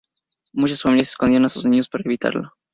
Muchas familias escondían a sus niños para evitarlo.